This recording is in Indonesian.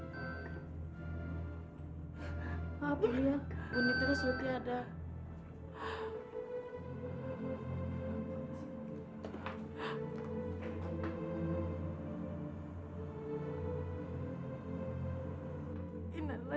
maaf ibu mia ibu nita sudah tidak ada